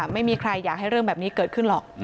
ไม่มีใครอยากให้เรื่องแบบนี้เกิดขึ้นหรอก